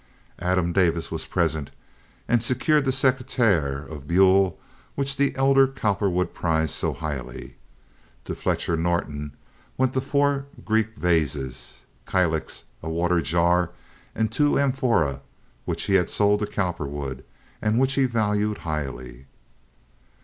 Adam Davis was present and secured the secretaire of buhl which the elder Cowperwood prized so highly. To Fletcher Norton went the four Greek vases—a kylix, a water jar, and two amphorae—which he had sold to Cowperwood and which he valued highly.